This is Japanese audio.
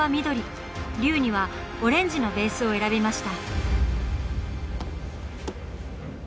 龍にはオレンジのベースを選びました。